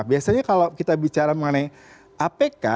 biasanya kalau kita bicara mengenai apk